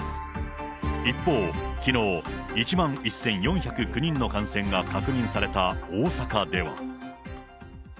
一方、きのう、１万１４０９人の感染が確認された大阪では。